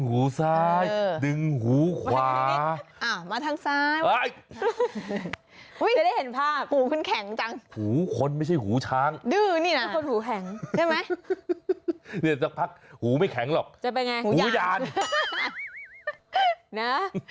เห็นภาพหูขึ้นแข็งจังหูคนไม่ใช่หูช้างดื้อนี่นะหูแข็งใช่ไหมเนี่ยต้องพักหูไม่แข็งหรอกจะเป็นไงหูยานนะ